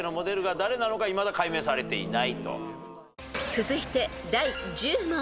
［続いて第１０問］